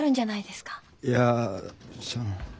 いやその。